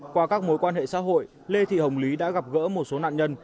qua các mối quan hệ xã hội lê thị hồng lý đã gặp gỡ một số nạn nhân